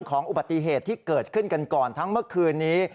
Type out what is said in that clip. อุบัติเหตุที่เกิดขึ้นกันก่อนทั้งเมื่อคืนนี้